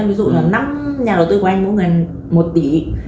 ví dụ là năm nhà đầu tư của anh mỗi ngày một tỷ